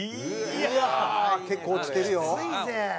「うわー結構落ちてるよ」